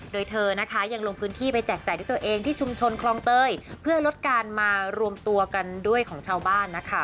โดยเธอนะคะยังลงพื้นที่ไปแจกจ่ายด้วยตัวเองที่ชุมชนคลองเตยเพื่อลดการมารวมตัวกันด้วยของชาวบ้านนะคะ